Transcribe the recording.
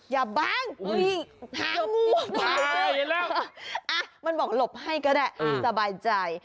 อย่าบั้งทางงูอ่ามันบอกหลบให้ก็ได้สบายใจ